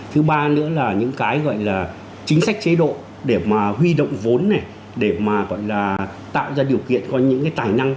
thứ ba nữa là những cái gọi là chính sách chế độ để mà huy động vốn này để mà gọi là tạo ra điều kiện có những cái tài năng